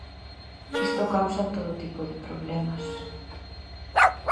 Isto causa todo tipo de problemas...